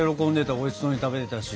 おいしそうに食べてたし。